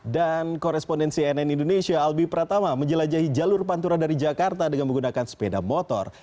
dan koresponden cnn indonesia albi pratama menjelajahi jalur pantura dari jakarta dengan menggunakan sepeda motor